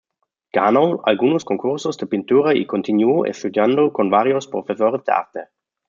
Ganó algunos concursos de pintura y continuó estudiando con varios profesores de arte.